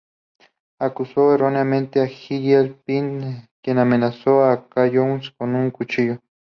Acusó erróneamente a Gillespie, quien amenazó a Calloway con un cuchillo.